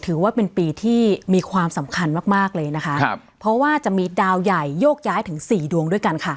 ถือว่าเป็นปีที่มีความสำคัญมากมากเลยนะคะครับเพราะว่าจะมีดาวใหญ่โยกย้ายถึงสี่ดวงด้วยกันค่ะ